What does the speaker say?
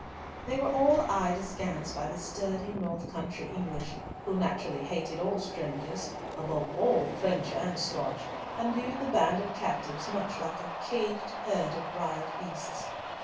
They were all eyed askance by the sturdy, north country English, who naturally hated all strangers, above all French and Scotch, and viewed the band of captives much like a caged herd of wild beasts.